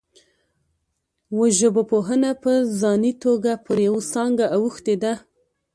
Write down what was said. وژژبپوهنه په ځاني توګه پر یوه څانګه اوښتې ده